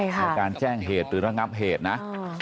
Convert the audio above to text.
ในการแจ้งเหตุหรือระงับเหตุนะ